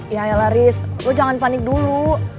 ya laris lo jangan panik dulu